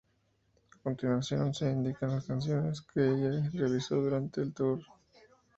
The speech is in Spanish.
A continuación se indican las canciones que ella realizó durante todo el tour.